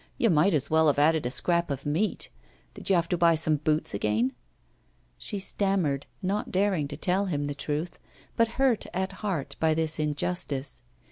'You might as well have added a scrap of meat. Did you have to buy some boots again?' She stammered, not daring to tell him the truth, but hurt at heart by this injustice.